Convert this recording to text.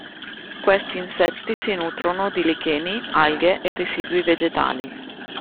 Questi insetti si nutrono di licheni, alghe e residui vegetali.